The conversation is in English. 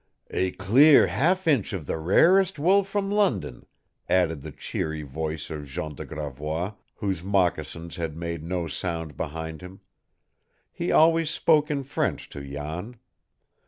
"A clear half inch of the rarest wool from London," added the cheery voice of Jean de Gravois, whose moccasins had made no sound behind him. He always spoke in French to Jan.